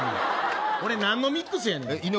俺なんのミックスやねん。